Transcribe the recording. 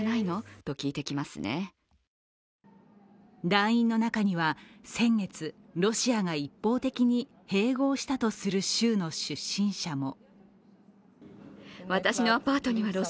団員の中には先月ロシアが一方的に併合したとする州の出身者も。